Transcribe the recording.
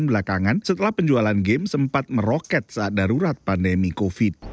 dan belakangan setelah penjualan game sempat meroket saat darurat pandemi covid